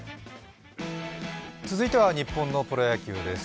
続いては、日本のプロ野球です。